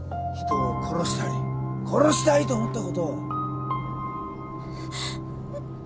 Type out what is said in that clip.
人を殺したり殺したいと思ったこと。